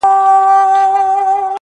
چي يې مور شېردل ته ژبه ورنژدې کړه-